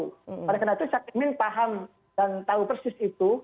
karena itu cak imin paham dan tahu persis itu